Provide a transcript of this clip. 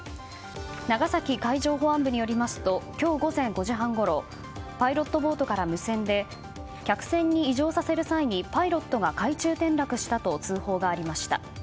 長崎海上保安部によりますと今日午前５時半ごろパイロットボートから無線で客船に移乗させる際にパイロットが海中転落したと通報がありました。